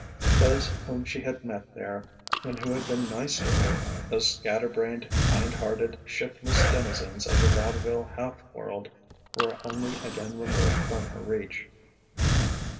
Those whom she had met there, and who had been nice to her, those scatter brained, kind hearted, shiftless denizens of the vaudeville half world, were once again removed from her reach.